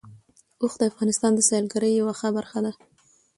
اوښ د افغانستان د سیلګرۍ یوه ښه برخه ده.